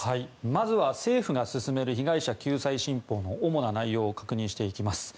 まずは政府が進める被害者救済新法の主な内容を確認していきます。